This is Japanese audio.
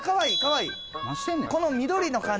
この緑の感じ